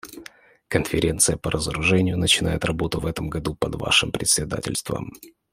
Конференция по разоружению начинает работу в этом году под вашим председательством.